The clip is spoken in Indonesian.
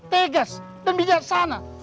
tegas dan bijaksana